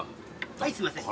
はいすいません。